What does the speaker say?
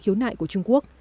khiếu nại của trung quốc